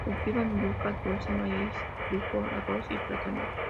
Cultivan yuca dulce, maíz, fríjol, arroz y plátanos.